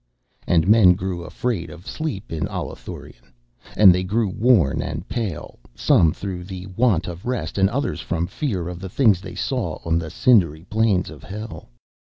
And men grew afraid of sleep in Allathurion. And they grew worn and pale, some through the want of rest, and others from fear of the things they saw on the cindery plains of Hell.